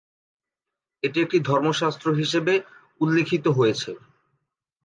এটি একটি ধর্মশাস্ত্র হিসেবে উল্লিখিত হয়েছে।